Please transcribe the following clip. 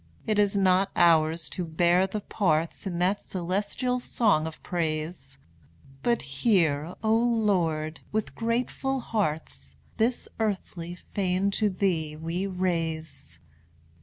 It is not ours to bear the parts In that celestial song of praise; But here, O Lord! with grateful hearts, This earthly fane to Thee we raise.